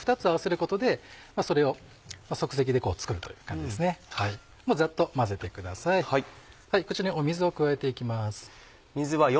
こちらに水を加えて行きます。